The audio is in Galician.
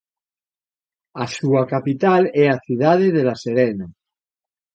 A súa capital é a cidade de La Serena.